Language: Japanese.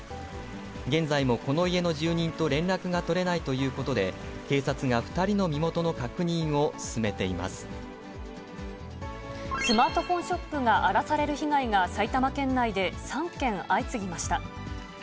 現在もこの家の住人と連絡が取れないということで、警察が２人のスマートフォンショップが荒らされる被害が埼玉県内で３件相次ぎました。